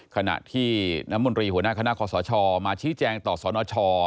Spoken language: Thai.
ขณะที่น้ำมนตรีหัวหน้าคณะคอสชมาชี้แจงต่อสนช